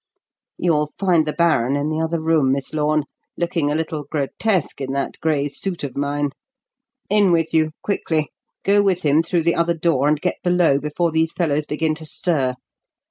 "You'll find the baron in the other room, Miss Lorne, looking a little grotesque in that grey suit of mine. In with you, quickly; go with him through the other door, and get below before those fellows begin to stir.